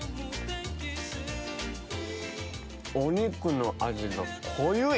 お肉の味が濃い！